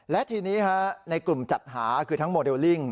และทีนี้ในกลุ่มจัดหาคือทั้งโมเดลลิ่ง